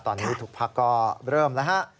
ตอนนี้ทุกพักก็เริ่มแล้วฮะ